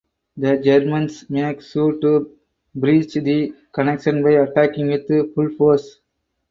The Germans make sure to breach the connection by attacking with full force.